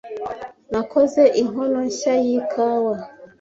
Nakoze inkono nshya yikawa.